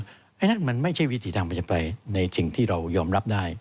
เนี่ยมันไม่ใช่วิถีทางประจำไปในสิ่งที่เรายอมรับได้